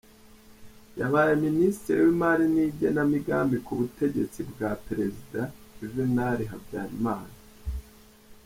Yabaye Ministre w’imali n’igenamigambi ku butegetsi bwa Perezida Yuvenali Habyalimana.